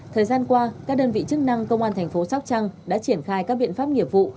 thời gian qua các đơn vị chức năng công an thành phố sóc trăng đã triển khai các biện pháp nghiệp vụ